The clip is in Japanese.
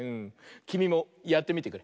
きみもやってみてくれ。